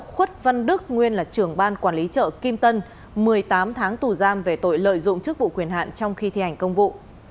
khuất văn đức nguyên là trưởng ban quản lý chợ kim tân một mươi tám tháng tù giam về tội lợi dụng chức vụ quyền hạn trong khi thi hành công vụ